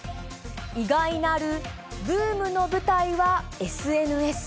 意外なるブームの舞台はＳＮＳ。